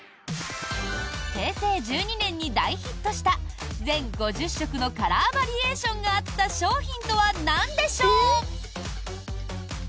平成１２年に大ヒットした全５０色のカラーバリエーションがあった商品とはなんでしょう？